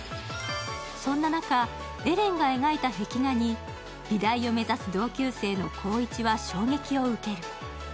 そんな中、エレンが描いた壁画に美大を目指す同級生の光一は衝撃を受ける。